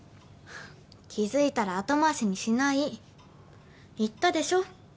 気づいたら後回しにしない言ったでしょ